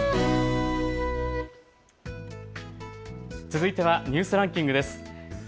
続いてはニュースランキングです。